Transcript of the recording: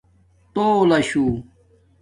تولہ شُݸ